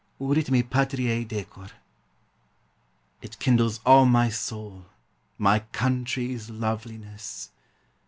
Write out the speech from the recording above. "Urit me Patriae decor." It kindles all my soul, My country's loveliness!